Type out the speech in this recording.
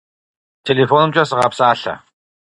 Телефонымкӏэ сыгъэпсалъэ.